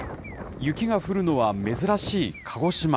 雪が降るのは珍しい鹿児島。